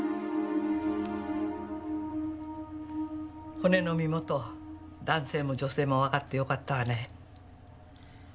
骨の身元男性も女性もわかってよかったわね。